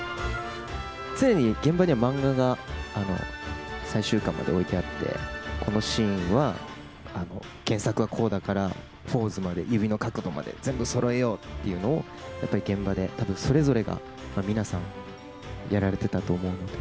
常に現場には漫画が最終巻まで置いてあって、このシーンは、原作はこうだから、ポーズまで、指の角度まで、全部そろえようというのを、やっぱり現場でたぶん、それぞれが皆さん、やられてたと思うんで。